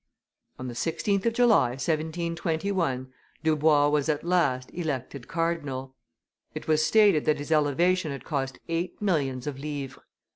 On the 16th of July, 1721, Dubois was at last elected Cardinal; it was stated that his elevation had cost eight millions of livres.